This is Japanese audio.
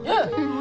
何？